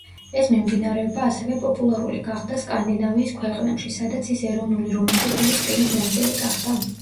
ეს მიმდინარეობა ასევე პოპულარული გახდა სკანდინავიის ქვეყნებში, სადაც ის ეროვნული რომანტიკული სტილის ნაწილი გახდა.